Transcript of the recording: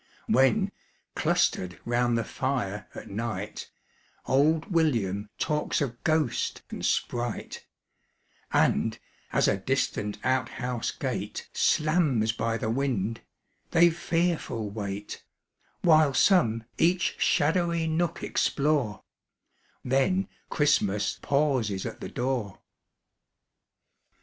When cluster'd round the fire at night, Old William talks of ghost and sprite, And, as a distant out house gate Slams by the wind, they fearful wait, While some each shadowy nook explore, Then Christmas pauses at the door.